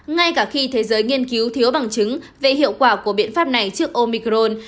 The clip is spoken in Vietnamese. ngay cả khi thế giới nghiên cứu thiếu bằng chứng về hiệu quả của biện pháp này trước omicron